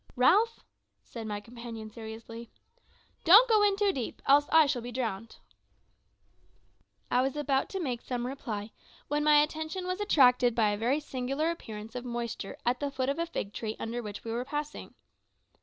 "Ralph," said my companion seriously, "don't go in too deep, else I shall be drowned!" I was about to make some reply, when my attention was attracted by a very singular appearance of moisture at the foot of a fig tree under which we were passing.